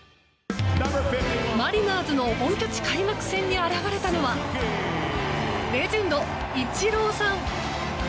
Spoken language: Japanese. マリナーズの本拠地開幕戦に現れたのはレジェンド、イチローさん。